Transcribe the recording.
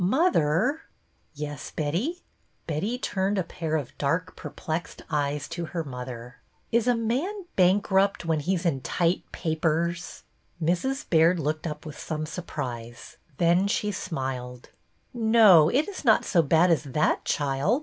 Mother!" Yes, Betty." Betty turned a pair of dark perplexed eyes to her mother. 6 BETTY BAIRD'S VENTURES '' Is a man bankrupt when he 's ' in tight papers '?" Mrs. Baird looked up with some surprise; then she smiled. No, it 's not so bad as that, child.